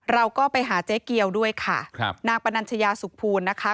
เราก็ไปหาเจ๊เกียวด้วยค่ะครับนางปนัญชยาสุขภูลนะคะ